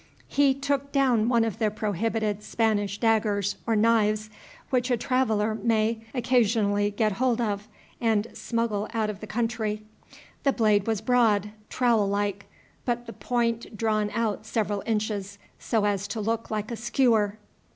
He took down one of the prohibited Spanish daggers or knives which a traveller may, occasionally get hold of and smuggle out of the country. The blade was broad, trowel like, but the point drawn out several inches, so as to look like a skewer.